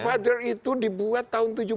godfather itu dibuat tahun tujuh puluh dua